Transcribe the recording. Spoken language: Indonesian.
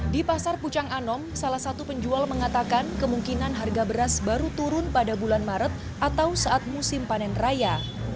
di pasar pucang anom salah satu penjual mengatakan kemungkinan harga beras baru turun pada bulan maret atau saat musim panen raya